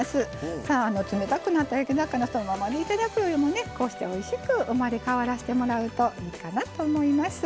さあ冷たくなった焼き魚そのままで頂くよりもねこうしておいしく生まれ変わらせてもらうといいかなと思います。